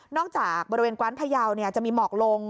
นอกจากบริเวณกว้านพยาวเนี่ยจะมีหมอกลง